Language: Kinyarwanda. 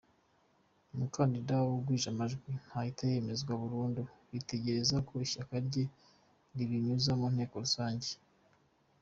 Umukandida ugwije amajwi ntahita yemezwa burundu, bitegereza ko ishyaka rye ribinyuza mu nteko rusange.